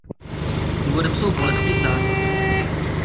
Důvodem jsou bolesti v zádech.